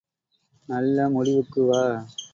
நல்ல முடிவுக்கு வா!